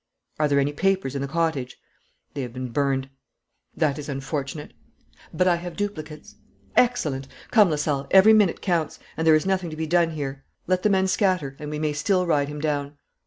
'Are there any papers in the cottage?' 'They have been burned.' 'That is unfortunate.' 'But I have duplicates.' 'Excellent! Come, Lasalle, every minute counts, and there is nothing to be done here. Let the men scatter, and we may still ride him down.'